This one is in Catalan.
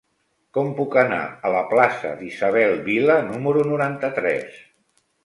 Com puc anar a la plaça d'Isabel Vila número noranta-tres?